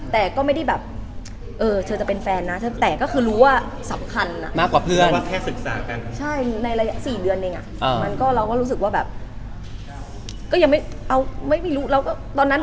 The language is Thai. แต่ก็ไม่ได้แบบเธอจะเป็นแฟนนะแต่ก็คือรู้ว่าสำคัญ